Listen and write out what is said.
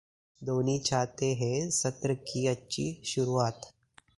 धोनी चाहते हैं सत्र की अच्छी शुरुआत